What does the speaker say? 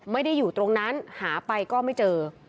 ไม่ได้อยู่ตรงนั้นหาไปก็ไม่เจอ